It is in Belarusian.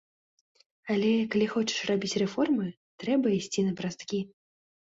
Але, калі хочаш рабіць рэформы, трэба ісці напрасткі.